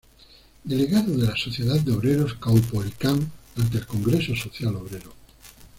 Delegado de la Sociedad de Obreros Caupolicán ante el Congreso Social Obrero.